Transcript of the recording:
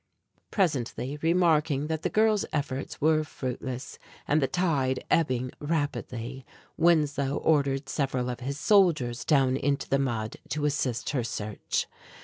Presently, remarking that the girl's efforts were fruitless, and the tide ebbing rapidly, Winslow ordered several of his soldiers down into the mud to assist her search.